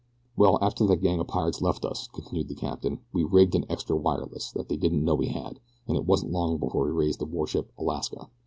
"Well, after that gang of pirates left us," continued the captain, "we rigged an extra wireless that they didn't know we had, and it wasn't long before we raised the warship Alaska.